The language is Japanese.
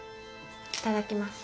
いただきます。